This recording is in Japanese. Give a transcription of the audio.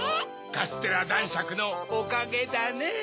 カステラだんしゃくのおかげだねぇ。